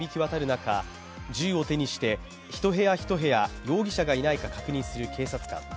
中銃を手にして、一部屋一部屋容疑者がいないか確認する警察官。